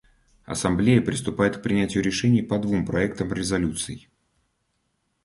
Ассамблея приступает к принятию решений по двум проектам резолюций.